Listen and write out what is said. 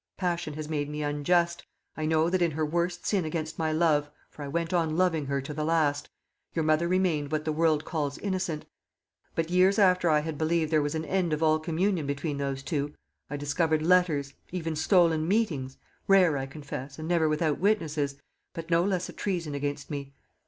Passion has made me unjust. I know that in her worst sin against my love for I went on loving her to the last your mother remained what the world calls innocent. But years after I had believed there was an end of all communion between those two, I discovered letters, even stolen meetings rare, I confess, and never without witnesses, but no less a treason against me.